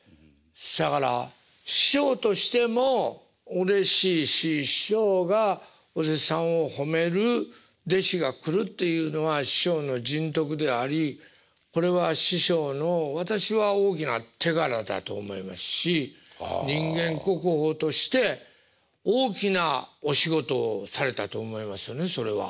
せやから師匠としてもうれしいし師匠がお弟子さんを褒める弟子が来るっていうのは師匠の人徳でありこれは師匠の私は大きな手柄だと思いますし人間国宝として大きなお仕事をされたと思いますよねそれは。